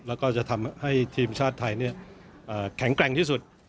แล้วก็จะทำให้ทีมชาติไทยแข็งแกร่งที่สุด